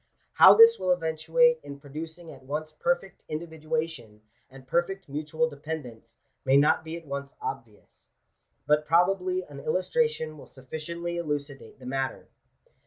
How this will eventuate in producing at once perfect individuation and perfect mutual dependence, may not be at once obvious. But probably an illustration will sufficiently elucidate the matter.